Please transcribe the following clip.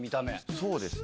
そうですね。